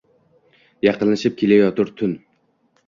Yaqinlashib kelayotir tun